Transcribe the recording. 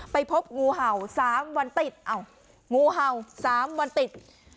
ไปพบงูเห่า๓วันติดเอ้างูเห่า๓วันติด